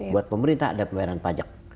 buat pemerintah ada pembayaran pajak